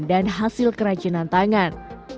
dan hasil kerajinan tangan